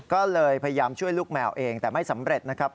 ก็เลยพยายามช่วยลูกแมวเองแต่ไม่สำเร็จนะครับ